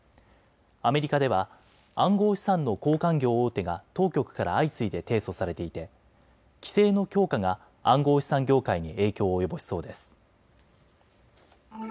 アメリカでは暗号資産の交換業大手が当局から相次いで提訴されていて規制の強化が暗号資産業界に影響を及ぼしそうです。